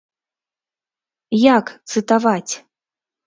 Як цытаваць?